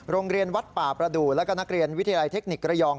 โรงเรียนวัดป่าประดูกแล้วก็นักเรียนวิทยาลัยเทคนิคระยอง